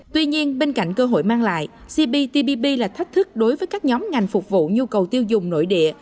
tuy nhiên bên cạnh cơ hội mang lại cptpp là thách thức đối với các nhóm ngành phục vụ nhu cầu tiêu dùng nội địa